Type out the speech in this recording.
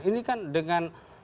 ini kan dengan